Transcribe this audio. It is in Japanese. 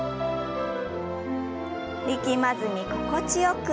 力まずに心地よく。